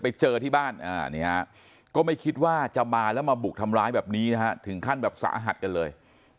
ไปเจอที่บ้านก็ไม่คิดว่าจะมาแล้วมาบุกทำร้ายแบบนี้นะฮะถึงขั้นแบบสาหัสกันเลย